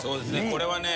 これはね